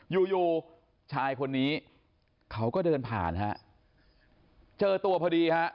อยู่อยู่ชายคนนี้เขาก็เดินผ่านฮะเจอตัวพอดีฮะ